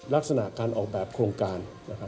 ลักษณะการออกแบบโครงการ